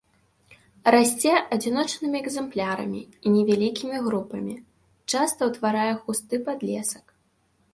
Расце адзіночнымі экземплярамі і невялікімі групамі, часта ўтварае густы падлесак.